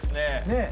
ねえ。